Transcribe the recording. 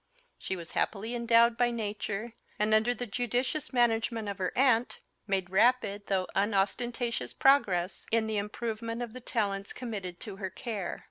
She was happily endowed by nature; and, under the judicious management of her aunt, made rapid though unostentatious progress in the improvement of the talents committed to her care.